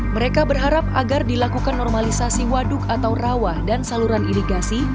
mereka berharap agar dilakukan normalisasi waduk atau rawa dan saluran irigasi